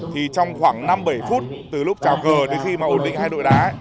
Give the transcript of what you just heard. thì trong khoảng năm bảy phút từ lúc trào cờ đến khi mà ổn định hai đội đá